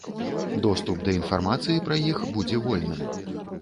Доступ да інфармацыі пра іх будзе вольным.